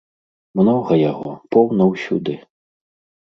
Многа яго, поўна ўсюды!